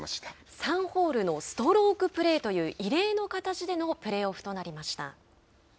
３ホールのストロークプレーという異例の形でのプレーオフとなりました。